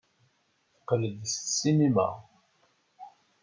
Teqqel-d seg ssinima.